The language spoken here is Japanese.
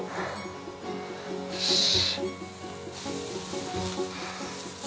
よし！